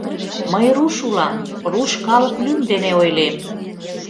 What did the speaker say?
Мый руш улам, руш калык лӱм дене ойлем.